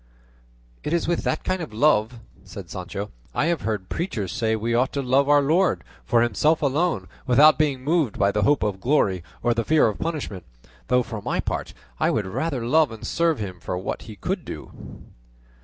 "It is with that kind of love," said Sancho, "I have heard preachers say we ought to love our Lord, for himself alone, without being moved by the hope of glory or the fear of punishment; though for my part, I would rather love and serve him for what he could do."